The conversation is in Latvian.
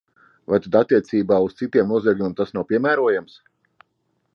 Vai tad attiecībā uz citiem noziegumiem tas nav piemērojams?